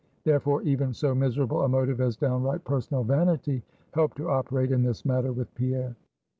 Therefore, even so miserable a motive as downright personal vanity helped to operate in this matter with Pierre.